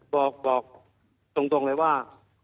บอกตรงเลยว่า